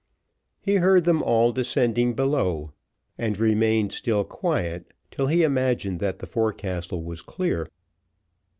He heard them all descending below, and remained still quiet, till he imagined that the forecastle was clear.